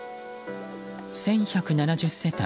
１１７０世帯